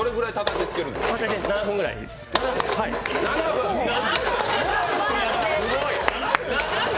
７分ぐらいです。